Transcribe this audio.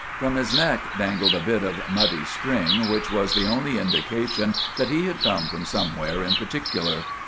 From his neck dangled a bit of muddy string, which was the only indication that he had come from anywhere in particular.